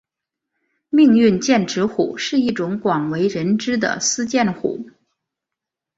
命运剑齿虎是一种广为人知的斯剑虎。